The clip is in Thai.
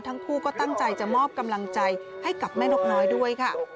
ทั้งคู่ก็ตั้งใจจะมอบกำลังใจให้กับแม่นกน้อยด้วยค่ะ